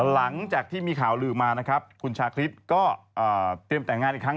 หลังจากที่มีข่าวหลุดออกมาชาคริสก็เตรียมแต่งงานอีกครั้ง